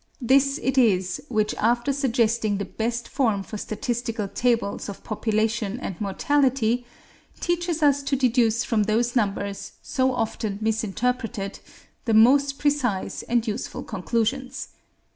This it is which, after suggesting the best form for statistical tables of population and mortality, teaches us to deduce from those numbers, so often misinterpreted, the most precise and useful conclusions.